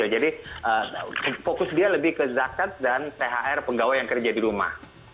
jadi fokus dia lebih ke zakat dan thr pegawai yang kerja di rumah